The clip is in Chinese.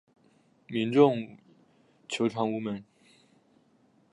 民众求偿无门